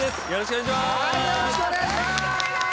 よろしくお願いします